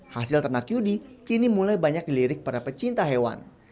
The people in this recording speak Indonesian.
hasil ternak yudi kini mulai banyak dilirik para pecinta hewan